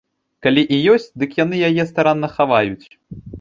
Калі і ёсць, дык яны яе старанна хаваюць.